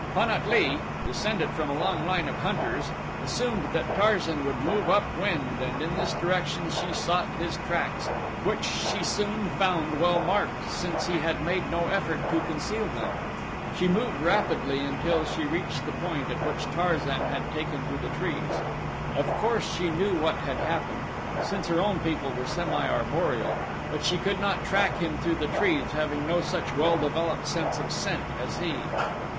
Pan at lee, descended from a long line of hunters, assumed that Tarzan would move up wind and in this direction she sought his tracks, which she soon found well marked, since he had made no effort to conceal them. She moved rapidly until she reached the point at which Tarzan had taken to the trees. Of course she knew what had happened; since her own people were semi arboreal; but she could not track him through the trees, having no such well developed sense of scent as he.